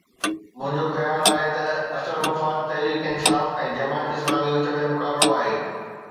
منهنجو خيال آهي ته اصل مفاد تحريڪ انصاف ۽ جماعت اسلامي وچ ۾ مقابلو آهي.